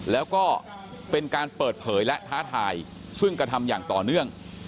แล้วก็เป็นการเปิดเผยและท้าทายซึ่งกระทำอย่างต่อเนื่อง